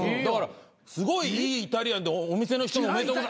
だからすごいいいイタリアンでお店の人も。